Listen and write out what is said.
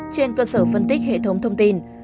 trên cơ sở phân tích hệ thống thông tin